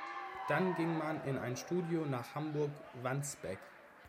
Dann ging man in ein Studio nach Hamburg-Wandsbek.